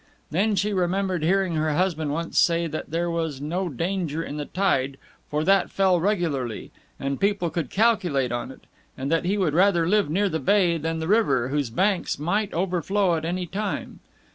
Then she remembered hearing her husband once say that there was no danger in the tide, for that fell regularly, and people could calculate on it, and that he would rather live near the bay than the river, whose banks might overflow at any time.